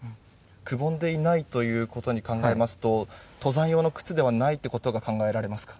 くぼんでいないということで考えますと登山用の靴ではないということが考えられますか？